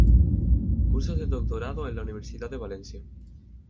Cursos de Doctorado en la Universidad de Valencia.